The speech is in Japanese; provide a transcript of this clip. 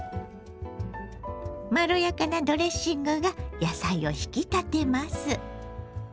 まろやかなドレッシングが野菜を引き立てます。